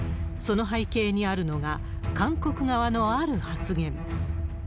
その背景にあるのが、韓国側のある発言。